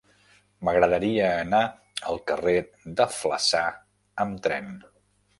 M'agradaria anar al carrer de Flaçà amb tren.